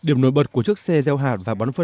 điểm nổi bật của chiếc xe gieo hạt và bán phân